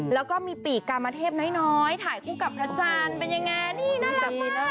แล้วก็มีปีกกามเทพน้อยถ่ายคู่กับพระจันทร์เป็นยังไงนี่น่ารักดีนะ